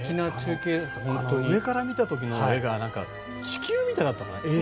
上から見た時の画が地球みたいだったね。